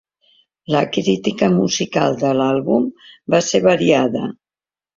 La crítica musical de l'àlbum va ser variada.